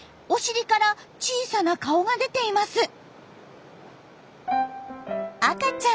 お尻から小さな顔が出ています。